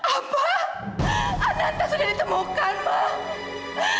apa anantara sudah ditemukan mak